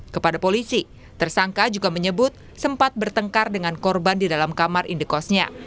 kepada polisi tersangka juga menyebut sempat bertengkar dengan korban di dalam kamar indekosnya